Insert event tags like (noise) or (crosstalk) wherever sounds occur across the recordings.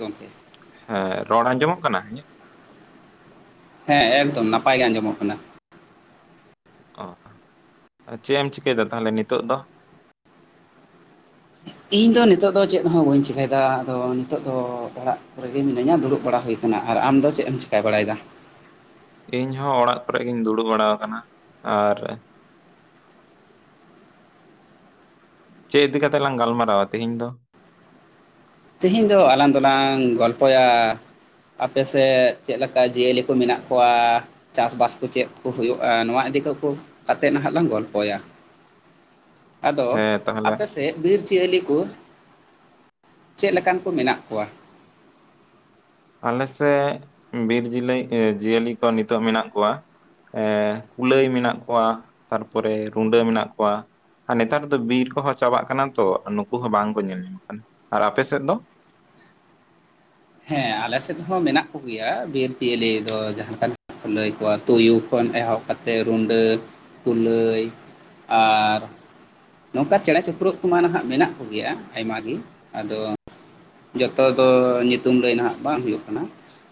ᱜᱚᱢᱠᱮ ᱦᱮᱸ, ᱨᱚᱲ ᱟᱸᱡᱚᱢᱚᱜ ᱠᱟᱱᱟ ᱤᱧᱟᱹᱜ? ᱦᱮᱸ ᱮᱠᱫᱚᱢ ᱱᱟᱯᱟᱭ ᱜᱮ ᱟᱸᱡᱚᱢᱚᱜ ᱠᱟᱱᱟ᱾ ᱚ, ᱪᱮᱫ ᱮᱢ ᱪᱤᱠᱟᱹᱭᱫᱟ ᱛᱟᱦᱚᱞᱮ ᱱᱤᱛᱚᱜ ᱫᱚ? ᱤᱧ ᱫᱚ ᱱᱤᱛᱚᱜ ᱫᱚ ᱪᱮᱫ ᱦᱚᱸ ᱵᱟᱹᱧ ᱪᱤᱠᱟᱹᱭᱫᱟ ᱟᱫᱚ ᱱᱤᱛᱚᱜ ᱫᱚ ᱚᱲᱟᱜ ᱠᱚ ᱨᱮ ᱜᱮ ᱢᱤᱱᱟᱹᱧᱟ ᱫᱩᱲᱩᱵ ᱵᱟᱲᱟ ᱦᱩᱭ ᱟᱠᱟᱱᱟ᱾ ᱟᱨ ᱟᱢ ᱫᱚ ᱪᱮᱫ ᱮᱢ ᱪᱤᱠᱟᱹ ᱵᱟᱲᱟᱭᱮᱫᱟ? ᱤᱧ ᱦᱚᱸ ᱚᱲᱟᱜ ᱠᱚᱨᱮ ᱜᱤᱧ ᱫᱩᱲᱩᱵ ᱵᱟᱲᱟᱣ ᱟᱠᱟᱱᱟ ᱟᱨ ᱪᱮᱫ ᱤᱫᱤ ᱠᱟᱛᱮᱜ ᱞᱟᱝ ᱜᱟᱞᱢᱟᱨᱟᱣᱟ ᱛᱮᱦᱤᱧ ᱫᱚ? ᱛᱤᱦᱤᱧ ᱫᱚ ᱟᱞᱟᱝ ᱫᱚᱞᱟᱝ ᱜᱚᱞᱯᱚᱭᱟ ᱟᱯᱮ ᱥᱮᱫ ᱪᱮᱫ ᱞᱮᱠᱟ ᱡᱤᱭᱟᱹᱞᱤ ᱠᱚ ᱢᱮᱱᱟᱜ ᱠᱚᱣᱟ? ᱪᱟᱥᱵᱟᱥ ᱠᱩ ᱪᱮᱫ ᱠᱩ ᱦᱩᱭᱩᱜ-ᱟ, ᱱᱚᱣᱟ ᱤᱫᱤ ᱠᱟᱠᱚ ᱠᱟᱛᱮᱫ ᱦᱟᱜ ᱞᱟᱝ ᱜᱚᱞᱯᱚᱭᱟ᱾ ᱟᱫᱚ ᱦᱮᱸ ᱛᱟᱦᱚᱞᱮ ᱟᱯᱮ ᱥᱮᱫ ᱵᱤᱨ ᱡᱤᱭᱟᱹᱞᱤ ᱠᱩ ᱪᱮᱫ ᱞᱮᱠᱟᱱ ᱠᱚ ᱢᱮᱱᱟᱜ ᱠᱚᱣᱟ? ᱟᱞᱮ ᱥᱮᱫ ᱵᱤᱨ ᱡᱤᱞᱤ ᱮᱸ ᱡᱤᱭᱟᱹᱞᱤ ᱠᱚ ᱱᱤᱛᱚᱜ ᱢᱮᱱᱟᱜ ᱠᱚᱣᱟ ᱮ ᱠᱩᱞᱟᱹᱭ ᱢᱮᱱᱟᱜ ᱠᱚᱣᱟ, ᱛᱟᱨᱯᱚᱨᱮ ᱨᱩᱸᱰᱟᱹ ᱢᱮᱱᱟᱜ ᱠᱚᱣᱟ᱾ ᱟᱨ ᱱᱮᱛᱟᱨ ᱫᱚ ᱵᱤᱨ ᱠᱚᱦᱚᱸ ᱪᱟᱵᱟᱜ ᱠᱟᱱᱟ ᱛᱚ ᱱᱩᱠᱩ ᱦᱚᱸ ᱵᱟᱝ ᱠᱚ ᱧᱮᱞ ᱧᱟᱢᱚᱜ ᱠᱟᱱᱟ᱾ ᱟᱨ ᱟᱯᱮ ᱥᱮᱫ ᱫᱚ? ᱦᱮᱸ ᱟᱞᱮ ᱥᱮᱫ ᱦᱚᱸ ᱢᱮᱱᱟᱜ ᱠᱩᱜᱮᱭᱟ ᱵᱤᱨ ᱡᱤᱭᱟᱹᱞᱤ ᱫᱚ ᱡᱟᱦᱟᱸ ᱞᱮᱠᱟᱱ ᱞᱟᱹᱭ ᱠᱚᱣᱟ ᱛᱩᱭᱩ ᱠᱷᱚᱱ ᱮᱦᱚᱵ ᱠᱟᱛᱮᱫ ᱨᱩᱰᱟᱹ ᱠᱩᱞᱟᱹᱭ, ᱟᱨ ᱱᱚᱝᱠᱟ ᱪᱮᱬᱮ ᱪᱤᱯᱨᱩᱫ ᱠᱚᱢᱟ ᱱᱟᱦᱟᱜ ᱢᱮᱱᱟᱜ ᱠᱚᱜᱮᱭᱟ ᱟᱭᱢᱟ ᱜᱤ ᱟᱫᱚ ᱡᱚᱛᱚ ᱫᱚ ᱧᱩᱛᱩᱢ ᱫᱚ ᱞᱟᱹᱭ ᱱᱟᱦᱟᱜ ᱵᱟᱝ ᱦᱩᱭᱩᱜ ᱠᱟᱱᱟ᱾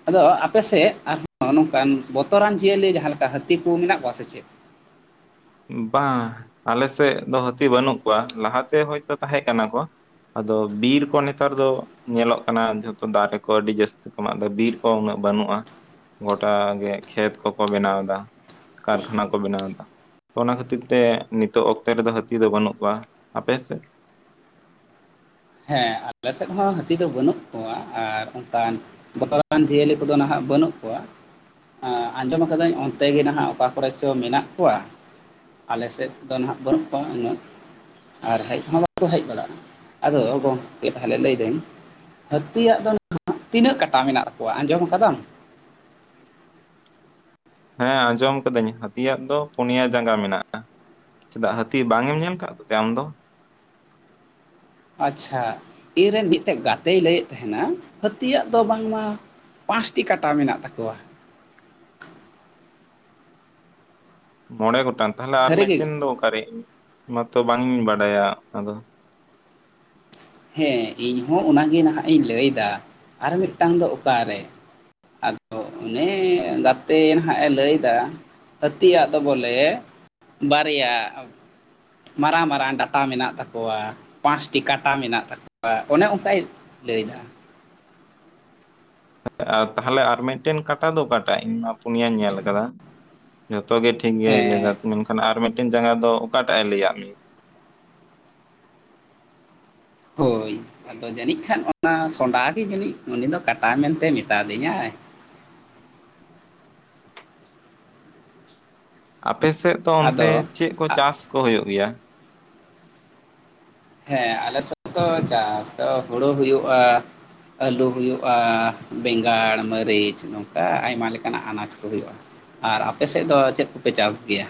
ᱟᱫᱚ ᱟᱯᱮ ᱥᱮᱫ ᱟᱨᱦᱚᱸ ᱱᱚᱝᱠᱟᱱ ᱵᱚᱛᱚᱨᱟᱱ ᱡᱤᱭᱟᱹᱞᱤ ᱡᱟᱦᱟᱸ ᱞᱮᱠᱟ ᱦᱟᱹᱛᱤ ᱠᱩ ᱢᱮᱱᱟᱜ ᱠᱚᱣᱟ ᱥᱮ ᱪᱮᱫ? ᱵᱟᱝ ᱟᱞᱮ ᱥᱮᱫ ᱫᱚ ᱦᱟᱹᱛᱤ ᱵᱟᱹᱱᱩᱜ ᱠᱚᱣᱟ, ᱞᱟᱦᱟᱛᱮ ᱦᱚᱭᱛᱚ ᱛᱟᱦᱮᱸ ᱠᱟᱱᱟ ᱠᱚ᱾ ᱟᱫᱚ ᱵᱤᱨ ᱠᱚ ᱱᱮᱛᱟᱨ ᱫᱚ ᱧᱮᱞᱚᱜ ᱠᱟᱱᱟ ᱡᱷᱚᱛᱚ ᱫᱟᱨᱮ ᱠᱚ ᱟᱹᱰᱤ ᱡᱟᱹᱥᱛᱤ ᱠᱚ ᱢᱟᱜ ᱫᱟ ᱵᱤᱨ ᱠᱚ ᱩᱱᱟᱹᱜ ᱵᱟᱹᱱᱩᱜ-ᱟ ᱜᱚᱴᱟ ᱜᱮ ᱠᱷᱮᱛ ᱠᱚᱠᱚ ᱵᱮᱱᱟᱣ ᱮᱫᱟ᱾ ᱠᱟᱨᱠᱷᱟᱱᱟ ᱠᱚ ᱵᱮᱱᱟᱣᱫᱟ ᱾ ᱚᱱᱟ ᱠᱷᱟᱹᱛᱤᱨ ᱛᱮ ᱱᱤᱛᱚᱜ ᱚᱠᱛᱮ ᱨᱮᱫᱚ ᱦᱟᱹᱛᱤ ᱫᱚ ᱵᱟᱹᱱᱩᱜ ᱠᱚᱣᱟ᱾ ᱟᱯᱮ ᱥᱮᱫ? ᱦᱮᱸ ᱟᱞᱮ ᱥᱮᱫ ᱦᱚᱸ ᱦᱟᱹᱛᱤ ᱫᱚ ᱵᱟᱹᱱᱩᱜ ᱠᱚᱣᱟ ᱾ ᱟᱨ ᱚᱱᱠᱟᱱ ᱵᱚᱛᱚᱨ ᱟᱠᱟᱱ ᱡᱤᱭᱟᱹᱞᱤ ᱠᱚᱫᱚ ᱱᱟᱦᱟᱜ ᱵᱟᱹᱱᱩᱜ ᱠᱚᱣᱟ ᱮᱸ ᱟᱸᱡᱚᱢ ᱟᱹᱠᱟᱫᱟᱹᱧ ᱚᱱᱛᱮ ᱜᱮ ᱱᱟᱦᱟᱜ ᱚᱠᱟ ᱠᱚᱨᱮ ᱪᱚ ᱢᱮᱱᱟᱜ ᱠᱚᱣᱟ ᱟᱞᱮᱥᱮᱫ ᱫᱚ ᱱᱟᱦᱟᱜ ᱵᱟᱹᱱᱩᱜ ᱠᱚᱣᱟ ᱩᱱᱟᱹᱜ ᱟᱨ ᱦᱮᱡ ᱦᱚᱸ ᱵᱟᱠᱚ ᱦᱮᱡ ᱵᱟᱲᱟᱜᱼᱟ ᱟᱫᱚ ᱜᱚᱢᱠᱮ ᱛᱟᱦᱞᱮ ᱞᱟᱹᱭ ᱫᱟᱹᱧ ᱦᱟᱹᱛᱤᱭᱟᱜ ᱫᱚ ᱱᱟᱦᱟᱜ ᱛᱤᱱᱟᱹᱜ ᱠᱟᱴᱟ ᱢᱮᱱᱟᱜ ᱛᱟᱠᱚᱣᱟ ᱟᱸᱡᱚᱢ ᱠᱟᱫᱟᱢ ᱦᱮᱸ ᱟᱸᱡᱚᱢ ᱠᱟᱹᱫᱟᱹᱧ ᱦᱟᱹᱛᱤᱭᱟᱜ ᱫᱚ ᱯᱳᱱᱭᱟ ᱡᱟᱸᱜᱟ ᱢᱮᱱᱟᱜᱼᱟ ᱪᱮᱫᱟᱜ ᱦᱟᱹᱛᱤ ᱵᱟᱝ ᱮᱢ ᱧᱮᱞᱠᱟᱫ ᱠᱚᱛᱮ ᱟᱢ ᱫᱚ ᱟᱪᱪᱷᱟ ᱤᱧ ᱨᱮᱱ ᱢᱤᱫᱴᱮᱡ ᱜᱟᱛᱮᱭ ᱞᱟᱹᱭᱮᱫ ᱛᱟᱦᱮᱱᱟ ᱦᱟᱹᱛᱤᱭᱟᱜ ᱫᱚ ᱵᱟᱝᱢᱟ ᱯᱟᱸᱥᱴᱤ ᱠᱟᱴᱟ ᱢᱮᱱᱟᱜ ᱛᱟᱠᱚᱣᱟ ᱢᱚᱬᱮ ᱜᱚᱴᱟᱝ ᱛᱟᱦᱚᱞᱮ ᱟᱨ ᱢᱤᱫᱴᱮᱱ ᱥᱟᱹᱨᱤᱜᱮ ᱫᱚ ᱚᱠᱟᱨᱮ ᱤᱧ ᱢᱟᱛᱚ ᱵᱟᱝ ᱤᱧ ᱵᱟᱰᱟᱭᱟ ᱟᱫᱚ ᱦᱮᱸ ᱤᱧ ᱦᱚᱸ ᱚᱱᱟᱜᱮ ᱱᱟᱦᱟᱜ ᱤᱧ ᱞᱟᱹᱭᱫᱟ ᱟᱨ ᱢᱤᱫᱴᱟᱝ ᱫᱚ ᱚᱠᱟᱨᱮ ᱟᱫᱚ ᱚᱱᱮ ᱜᱟᱛᱮ ᱱᱟᱦᱟᱜ ᱮ ᱞᱟᱹᱭᱫᱟ ᱦᱟᱹᱛᱤ ᱟᱜ ᱫᱚ ᱵᱚᱞᱮ ᱵᱟᱨᱭᱟ ᱢᱟᱨᱟᱝ ᱢᱟᱨᱟᱝ ᱰᱟᱴᱟ ᱢᱮᱱᱟᱜ ᱛᱟᱠᱚᱣᱟ ᱯᱟᱸᱥᱴᱤ ᱠᱟᱴ ᱠᱟᱴᱟ ᱢᱮᱱᱟᱜ ᱛᱟᱠᱚᱣᱟ ᱚᱱᱮ ᱚᱝᱠᱟᱭ ᱞᱟᱹᱭᱫᱟ ᱟᱨ ᱛᱟᱦᱚᱞᱮ ᱟᱨ ᱢᱤᱫᱴᱮᱱ ᱠᱟᱴᱟ ᱫᱚ ᱚᱠᱟᱴᱟᱜ ᱤᱧ ᱢᱟ ᱯᱩᱱᱭᱟᱧ ᱧᱮᱞ ᱠᱟᱫᱟ ᱡᱷᱚᱛᱚ ᱜᱮ ᱴᱷᱤᱠ ᱴᱷᱤᱠ ᱜᱮᱭᱟᱭ ᱞᱟᱹᱭ ᱫᱟ ᱦᱮᱸ ᱢᱮᱱᱠᱷᱟᱱ ᱟᱨ ᱢᱤᱫᱴᱮᱱ ᱡᱟᱸᱜᱟ ᱫᱚ ᱚᱠᱟᱴᱟᱜ ᱮ ᱞᱟᱹᱭᱟᱜ ᱢᱮᱭᱟ ᱦᱳᱭ ᱟᱫᱚ ᱡᱟᱹᱱᱤᱡ ᱠᱷᱟᱱ ᱚᱱᱟ ᱥᱚᱸᱰᱟ ᱜᱮ ᱡᱟᱹᱱᱤᱡ ᱩᱱᱤ ᱫᱚ ᱠᱟᱴᱟ ᱢᱮᱱᱛᱮ ᱢᱮᱛᱟ ᱫᱤᱧᱟᱭ ᱟᱯᱮᱥᱮᱫ ᱫᱚ ᱚᱱᱛᱮ ᱟᱫᱚ ᱪᱮᱫ ᱠᱚ ᱪᱟᱥ ᱠᱚ ᱦᱳᱭᱳᱜ ᱜᱮᱭᱟ ᱦᱮᱸ ᱟᱞᱮ ᱥᱮᱫ ᱫᱚ ᱪᱟᱥ ᱫᱚ ᱦᱩᱲᱩ ᱦᱳᱭᱳᱜᱼᱟ ᱟᱹᱞᱩ ᱦᱳᱭᱳᱜᱼᱟ ᱵᱮᱸᱜᱟᱲ ᱢᱟᱹᱨᱤᱪ ᱱᱚᱝᱠᱟ ᱟᱭᱢᱟ ᱞᱮᱠᱟᱱᱟᱜ ᱟᱱᱟᱡᱽ ᱠᱚ ᱦᱳᱭᱳᱜᱼᱟ ᱟᱨ ᱟᱯᱮ ᱥᱮᱫ ᱫᱚ ᱪᱮᱫ ᱠᱚᱯᱮ ᱪᱟᱥ ᱜᱮᱭᱟ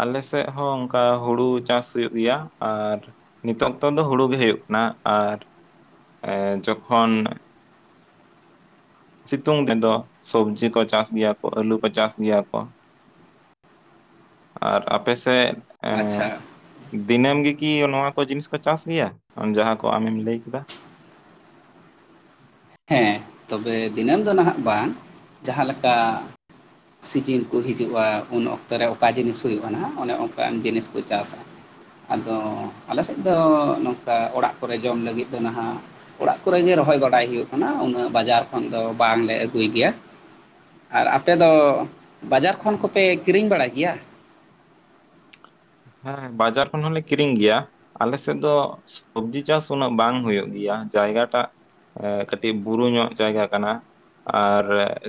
ᱟᱞᱮᱥᱮᱜ ᱦᱚᱸ ᱚᱝᱠᱟ ᱦᱩᱲᱩ ᱪᱟᱥ ᱦᱩᱭᱩᱜ ᱜᱮᱭᱟ ᱟᱨ ᱱᱤᱛᱚᱜ ᱚᱠᱛᱚ ᱫᱚ ᱦᱩᱲᱩ ᱜᱮ ᱦᱳᱭᱳᱜ ᱠᱟᱱᱟ ᱟᱨ ᱡᱚᱠᱷᱚᱱ ᱥᱤᱛᱩᱝ ᱫᱤᱱ ᱫᱚ ᱥᱚᱵᱡᱤ ᱠᱚ ᱪᱟᱥ ᱜᱮᱭᱟ ᱠᱚ ᱟᱹᱞᱩ ᱠᱚ ᱪᱟᱥ ᱜᱮᱭᱟ ᱠᱚ ᱟᱨ ᱟᱯᱮ ᱥᱮᱫ ᱟᱪᱪᱷᱟ ᱫᱤᱱᱟᱹᱢ ᱜᱮᱠᱤ ᱱᱚᱣᱟ ᱠᱚ ᱡᱤᱱᱤᱥ ᱠᱚ ᱪᱟᱥ ᱜᱮᱭᱟ ᱡᱟᱦᱟᱸ ᱠᱚ ᱟᱢᱮᱢ ᱞᱟᱹᱭ ᱠᱮᱫᱟ ᱦᱮᱸ ᱛᱚᱵᱮ ᱫᱤᱱᱟᱹᱢ ᱫᱚ ᱱᱟᱦᱟᱜ ᱵᱟᱝ ᱡᱟᱦᱟᱸ ᱞᱮᱠᱟ ᱥᱤᱡᱤᱱ ᱠᱚ ᱦᱤᱡᱩᱜᱼᱟ ᱩᱱ ᱚᱠᱛᱚ ᱨᱮ ᱚᱠᱟ ᱡᱤᱱᱤᱥ ᱦᱩᱭᱩᱜᱼᱟ ᱱᱟᱦᱟᱜ ᱚᱱᱮ ᱚᱱᱠᱟᱱ ᱡᱤᱱᱤᱥ ᱠᱚ ᱪᱟᱥᱟ ᱟᱫᱚ ᱟᱞᱮᱥᱮᱫ ᱫᱚ ᱱᱚᱝᱠᱟ ᱚᱲᱟᱜ ᱠᱚᱨᱮ ᱡᱚᱢ ᱞᱟᱹᱜᱤᱫ ᱫᱚ ᱱᱟᱦᱟᱜ ᱚᱲᱟᱜ ᱠᱚᱨᱮᱜᱮ ᱨᱚᱦᱚᱭ ᱵᱟᱰᱟᱭ ᱦᱳᱭᱳᱜ ᱠᱟᱱᱟ ᱩᱱᱟᱹᱜ ᱵᱟᱡᱟᱨ ᱠᱷᱚᱱ ᱫᱚ ᱵᱟᱝᱞᱮ ᱟᱹᱜᱩᱭ ᱜᱮᱭᱟ ᱟᱨ ᱟᱯᱮ ᱫᱚ ᱵᱟᱡᱟᱨ ᱠᱷᱚᱱ ᱠᱚᱯᱮ ᱠᱤᱨᱤᱧ ᱵᱟᱲᱟᱭ ᱜᱮᱭᱟ ᱦᱮᱸ ᱵᱟᱡᱟᱨ ᱠᱷᱚᱱ ᱦᱚᱸᱞᱮ ᱠᱤᱨᱤᱧ ᱜᱮᱭᱟ ᱟᱞᱮ ᱥᱮᱫ ᱫᱚ ᱥᱚᱵᱡᱤ ᱪᱟᱥ ᱩᱱᱟᱹᱜ ᱵᱟᱝ ᱦᱳᱭᱳᱜ ᱜᱮᱭᱟ ᱡᱟᱭᱜᱟᱴᱟᱜ ᱮ ᱠᱟᱹᱴᱤᱡ ᱵᱩᱨᱩ ᱧᱚᱜ ᱡᱟᱭᱜᱟ ᱠᱟᱱᱟ ᱟᱨ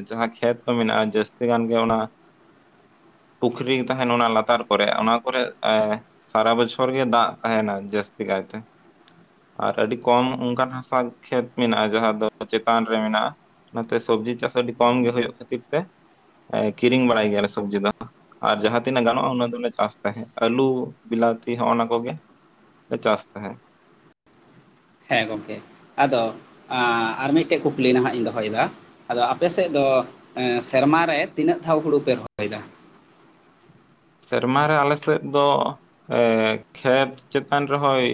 ᱡᱟᱦᱟᱸ ᱠᱷᱮᱛ ᱠᱚ ᱢᱮᱱᱟᱜᱼᱟ ᱡᱟᱹᱥᱛᱤ ᱜᱟᱱ ᱜᱮ ᱚᱱᱟ ᱯᱩᱠᱷᱨᱤ ᱛᱟᱦᱮᱱ ᱚᱱᱟ ᱞᱟᱛᱟᱨ ᱠᱚᱨᱮ ᱚᱱᱟ ᱠᱚᱨᱮ ᱮ ᱥᱟᱨᱟ ᱵᱚᱪᱷᱚᱨ ᱜᱮ ᱫᱟᱜ ᱛᱟᱦᱮᱱᱟ ᱡᱟᱹᱥᱛᱤ ᱠᱟᱭᱛᱮ ᱟᱨ ᱟᱹᱰᱤ ᱠᱚᱢ ᱚᱱᱠᱟᱱ ᱦᱟᱥᱟ ᱠᱷᱮᱛ ᱢᱮᱱᱟᱜᱼᱟ ᱡᱟᱦᱟᱸ ᱫᱚ ᱪᱮᱛᱟᱱ ᱨᱮ ᱢᱮᱱᱟᱜᱼᱟ ᱚᱱᱟᱛᱮ ᱥᱚᱵᱽᱡᱤ ᱪᱟᱥ ᱟᱹᱰᱤ ᱠᱚᱢ ᱜᱮ ᱦᱳᱭᱳᱜ ᱠᱷᱟᱹᱛᱤᱨ ᱛᱮ ᱠᱤᱨᱤᱧ ᱵᱟᱲᱟᱭ ᱜᱮᱭᱟᱞᱮ ᱥᱚᱵᱡᱤ ᱫᱚ ᱟᱨ ᱡᱟᱦᱟᱸ ᱛᱤᱱᱟᱹᱜ ᱜᱟᱱᱚᱜᱼᱟ ᱚᱱᱟ ᱫᱚᱞᱮ ᱪᱟᱥ ᱛᱟᱦᱮᱸᱫ ᱟᱹᱞᱩ ᱵᱞᱟᱛᱤ ᱦᱚᱜᱱᱟ ᱠᱚᱜᱮ ᱞᱮ ᱪᱟᱥ ᱛᱟᱦᱮᱸᱜ ᱦᱮᱸ ᱜᱚᱝᱠᱮ ᱟᱫᱚ ᱟᱨ ᱢᱤᱫᱴᱮᱡ ᱠᱩᱠᱞᱤ ᱱᱟᱦᱟᱜ ᱤᱧ ᱫᱚᱦᱚᱭᱫᱟ ᱟᱫᱚ ᱟᱯᱮ ᱥᱮᱫ ᱫᱚ ᱥᱮᱨᱢᱟᱨᱮ ᱛᱤᱱᱟᱹᱜ ᱫᱷᱟᱣ ᱦᱩᱲᱩ ᱯᱮ ᱨᱚᱦᱚᱭᱫᱟ ᱥᱮᱨᱢᱟᱟᱨ ᱨᱮ ᱟᱞᱮ ᱥᱮᱫ ᱫᱚ ᱮ ᱠᱷᱮᱛ ᱪᱮᱛᱟᱱ ᱨᱮᱦᱚᱸ ᱚᱭ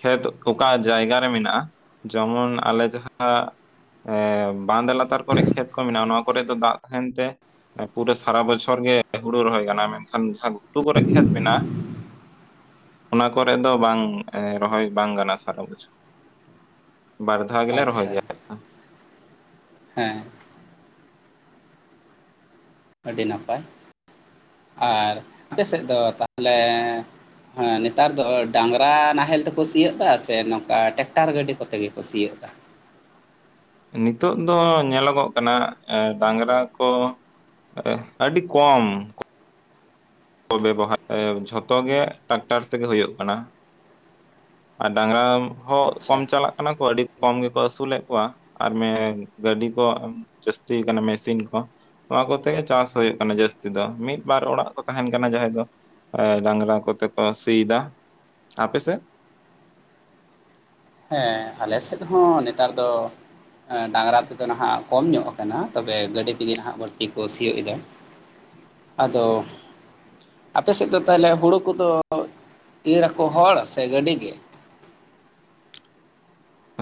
ᱠᱷᱮᱛ ᱚᱠᱟ ᱡᱟᱭᱜᱟ ᱨᱮ ᱢᱮᱱᱟᱜᱼᱟ ᱡᱮᱢᱚᱱ ᱟᱞᱮ ᱡᱟᱦᱟᱸ ᱮᱢ᱾ ᱵᱟᱸᱫ ᱞᱟᱛᱟᱨ ᱠᱚᱨᱮᱜ ᱠᱷᱮᱛ ᱠᱚ ᱢᱮᱱᱟᱜᱼᱟ ᱱᱚᱣᱟ ᱠᱚᱨᱮ ᱫᱚ ᱫᱟᱜ ᱛᱟᱦᱮᱱ ᱛᱮ ᱯᱩᱨᱟᱹ ᱥᱟᱨᱟ ᱵᱚᱪᱷᱚᱨ ᱜᱮ- ᱦᱩᱲᱩ ᱨᱚᱦᱚᱭ ᱜᱟᱱᱚ-ᱟ ᱢᱮᱱᱠᱷᱟᱱ ᱡᱟᱦᱟᱸ ᱜᱷᱩᱴᱩ ᱠᱚᱨᱮᱜ ᱠᱷᱮᱛ ᱢᱮᱱᱟᱜ-ᱟ ᱚᱱᱟ ᱠᱚᱨᱮ ᱫᱚ ᱵᱟᱝ ᱮ ᱨᱚᱦᱚᱭ ᱵᱟᱝ ᱜᱟᱱᱚᱜᱟ ᱥᱟᱨᱟ ᱵᱚᱪᱷᱚᱨ᱾ ᱵᱟᱨ ᱫᱷᱟᱣ ᱜᱮᱞᱮ ᱨᱚᱦᱚᱭ ᱟᱪᱪᱷᱟ, ᱜᱮᱭᱟ ᱦᱮᱸ᱾ ᱟᱹᱰᱤ ᱱᱟᱯᱟᱭ, ᱟᱨ ᱟᱯᱮ ᱥᱮᱫ ᱫᱚ ᱛᱟᱦᱚᱞᱮ ᱦᱮᱸ ᱱᱮᱛᱟᱨ ᱫᱚ ᱰᱟᱝᱨᱟ ᱱᱟᱦᱮᱞ ᱛᱮᱠᱚ ᱥᱤᱭᱮ ᱫᱟ, ᱥᱮ ᱱᱚᱝᱠᱟ ᱴᱮᱠᱴᱟᱨ ᱜᱟᱹᱰᱤ ᱠᱚᱛᱮ ᱜᱮᱠᱚ ᱥᱤᱭᱮ ᱫᱟ? ᱱᱤᱛᱚᱜ ᱫᱚ ᱧᱮᱞᱚᱜᱚᱜ ᱠᱟᱱᱟ ᱮ ᱰᱟᱝᱨᱟ ᱠᱚ ᱮ ᱟᱹᱰᱤ ᱠᱚᱢ᱾ ᱠᱚ ᱵᱮᱵᱚᱦᱟᱨ ᱮ ᱡᱷᱚᱛᱚ ᱜᱮ ᱴᱮᱠᱴᱟᱨ ᱛᱮᱜᱮ ᱦᱩᱭᱩᱜ ᱠᱟᱱᱟ᱾ ᱟᱨ ᱰᱟᱝᱨᱟ ᱦᱚᱸ ᱠᱚᱢ ᱟᱪᱪᱷᱟ ᱪᱟᱞᱟᱜ ᱠᱟᱱᱟ ᱠᱚ ᱟᱹᱰᱤ ᱠᱚᱢ ᱜᱮᱠᱚ ᱟᱹᱥᱩᱞᱮᱫ ᱠᱚᱣᱟ, ᱟᱨ ᱢᱮ ᱜᱟᱹᱰᱤ ᱠᱚ ᱡᱟᱹᱟᱥᱛᱤ ᱟᱠᱟᱱᱟ ᱢᱮᱥᱤᱱ ᱠᱚ᱾ ᱱᱚᱣᱟ ᱠᱚᱛᱮ ᱜᱮ ᱪᱟᱥ ᱦᱩᱭᱩᱜ ᱠᱟᱱᱟ ᱡᱟᱹᱥᱛᱤ ᱫᱚ ᱢᱤᱫ ᱵᱟᱨ ᱚᱲᱟᱜ ᱠᱚ ᱛᱟᱦᱮᱱ ᱠᱟᱱᱟ ᱡᱟᱦᱟᱸᱭ ᱫᱚ ᱮ ᱰᱟᱝᱨᱟ ᱠᱚᱛᱮ ᱠᱚ ᱥᱤ ᱮᱫᱟ᱾ ᱟᱯᱮ ᱥᱮᱫ? ᱦᱮᱸ ᱟᱞᱮ ᱥᱮᱫ ᱦᱚᱸ ᱱᱮᱛᱟᱨ ᱫᱚ ᱮᱸ ᱰᱟᱝᱨᱟ ᱛᱮᱫᱚ ᱱᱟᱦᱟᱜ ᱠᱚᱢ ᱧᱚᱜ ᱟᱠᱟᱱᱟ ᱛᱚᱵᱮ ᱜᱟᱹᱰᱤ ᱛᱮᱜᱮ ᱱᱟᱦᱟᱜ ᱵᱟᱹᱲᱛᱤ ᱠᱚ ᱥᱤᱭᱚᱜ ᱮᱫᱟ᱾ ᱟᱫᱚ ᱟᱯᱮ ᱥᱮᱫ ᱫᱚ ᱛᱟᱦᱚᱞᱮ ᱦᱩᱲᱩ ᱠᱚᱫᱚ ᱤᱨ ᱟᱠᱚ ᱦᱚᱲ ᱥᱮ ᱜᱟᱹᱰᱤ ᱜᱮ?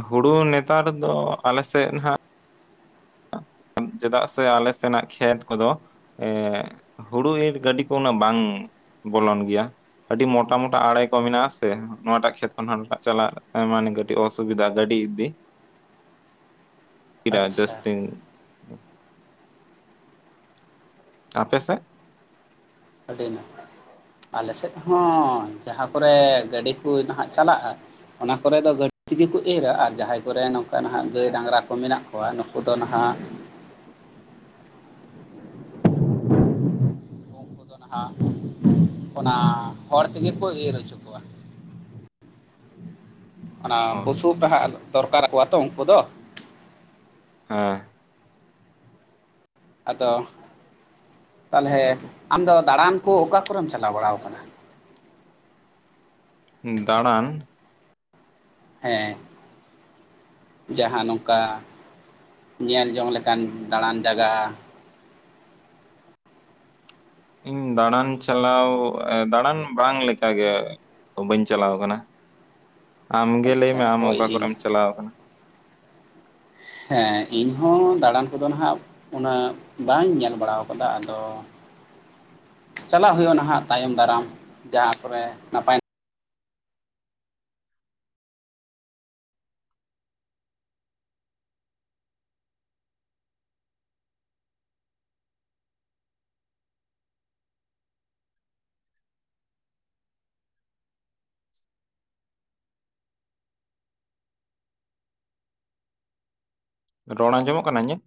ᱦᱩᱲᱩ ᱱᱮᱛᱟᱨ ᱫᱚ ᱟᱞᱮ ᱥᱮᱫ ᱱᱟᱷᱟᱜ ᱪᱮᱫᱟᱜ ᱥᱮ ᱟᱞᱮ ᱥᱮᱱᱟᱜ ᱠᱷᱮᱛ ᱠᱚᱫᱚ ᱮ ᱦᱩᱲᱩ ᱤᱨ ᱜᱟᱹᱰᱤ ᱠᱚ ᱩᱱᱟᱹᱜ ᱵᱟᱝ ᱵᱚᱞᱚᱱ ᱜᱮᱭᱟ᱾ ᱟᱹᱰᱤ ᱢᱚᱴᱟ ᱢᱚᱴᱟ ᱟᱲᱮ ᱠᱚ ᱢᱮᱱᱟᱜ-ᱟ ᱥᱮ ᱱᱚᱣᱟᱴᱟᱜ ᱠᱷᱮᱛ ᱠᱷᱚᱱ ᱚᱱᱟᱴᱟᱜ ᱪᱟᱞᱟᱜ ᱢᱟᱱᱮ ᱠᱟᱹᱴᱤᱡ ᱚᱥᱩᱵᱤᱫᱟ ᱜᱟᱹᱰᱤ ᱤᱫᱤ (unintelligible) ᱟᱪᱪᱷᱟ ᱡᱟᱹᱥᱛᱤᱢᱼᱼ ᱟᱯᱮ ᱥᱮᱫ? ᱟᱹᱰᱤ ᱱᱟᱯᱟᱭ, ᱟᱞᱮ ᱥᱮᱫ ᱦᱚᱸ ᱡᱟᱦᱟᱸ ᱠᱚᱨᱮ ᱜᱟᱹᱰᱤ ᱠᱚ ᱱᱟᱦᱟᱜ ᱪᱟᱞᱟᱜᱼᱟ ᱚᱱᱟ ᱠᱚᱨᱮ ᱫᱚ ᱜᱟᱹᱰᱤ ᱛᱮᱜᱮ ᱠᱚ ᱮᱨᱟ ᱟᱨ ᱡᱟᱦᱟᱸᱭ ᱠᱚᱨᱮ ᱱᱚᱝᱠᱟ ᱱᱟᱦᱟᱜ ᱜᱟᱹᱭ ᱰᱟᱝᱜᱽᱨᱟ ᱠᱚ ᱢᱮᱱᱟᱜ ᱠᱚᱣᱟ ᱱᱩᱠᱩ ᱫᱚ ᱱᱟᱦᱟᱜ (inaudible) ᱠᱩ ᱫᱚ ᱱᱟᱦᱟᱜ, ᱚᱱᱟ ᱦᱚᱲ ᱛᱮᱜᱮ ᱠᱚ ᱤᱨ ᱚᱪᱚ ᱚᱱᱟ ᱚ ᱵᱩᱥᱩᱵ ᱦᱟᱜ ᱫᱚᱨᱠᱟᱨ ᱠᱚᱣᱟ ᱛᱚ ᱩᱱᱠᱩ ᱫᱚ, ᱦᱮᱸ᱾ ᱟᱫᱚ ᱛᱟᱞᱦᱮ, ᱟᱢᱫᱚ ᱫᱟᱬᱟᱱ ᱠᱚ ᱚᱠᱟ ᱠᱚᱨᱮᱢ ᱪᱟᱞᱟᱣ ᱵᱟᱲᱟᱣ ᱠᱟᱱᱟ? ᱫᱟᱬᱟᱱ? ᱦᱮᱸ᱾ ᱡᱟᱦᱟᱸ ᱱᱚᱝᱠᱟ ᱧᱮᱞ ᱡᱚᱝ ᱞᱮᱠᱟᱱ ᱫᱟᱬᱟᱱ ᱡᱟᱭᱜᱟ᱾ ᱤᱧ ᱫᱟᱬᱟᱱ ᱪᱟᱞᱟᱣ ᱮ ᱫᱟᱬᱟᱱ ᱵᱟᱝ ᱞᱮᱠᱟ ᱜᱮ᱾ ᱛᱚ ᱵᱟᱹᱧ ᱪᱟᱞᱟᱣ ᱠᱟᱱᱟ᱾ ᱟᱢ ᱜᱮ ᱞᱟᱹᱭ ᱟᱪᱪᱷᱟ ᱢᱮ ᱟᱢ ᱦᱳᱭ ᱚᱠᱟ ᱠᱚᱨᱮᱢ ᱤᱧ ᱪᱟᱞᱟᱣ ᱠᱟᱱᱟ? ᱦᱮᱸ ᱤᱧᱦᱚᱸ ᱫᱟᱬᱟᱱ ᱠᱚᱫᱚ ᱱᱟᱦᱟᱜ ᱩᱱᱟᱹᱜ ᱵᱟᱹᱧ ᱧᱮᱞ ᱵᱟᱲᱟᱣ ᱠᱟᱫᱟ ᱟᱫᱚ ᱪᱟᱞᱟᱜ ᱦᱩᱭᱩᱜᱼᱟ ᱱᱟᱦᱟᱜ ᱛᱟᱭᱚᱢ ᱫᱟᱨᱟᱢ ᱡᱟᱦᱟᱸ ᱠᱚᱨᱮ ᱱᱟᱯᱟᱭ ᱨᱚᱲ ᱟᱸᱡᱚᱢᱚᱜ ᱠᱟᱱᱟ ᱤᱧᱟᱜ?